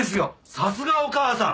さすがお母さん！